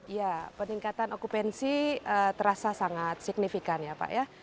ya peningkatan okupansi terasa sangat signifikan ya pak ya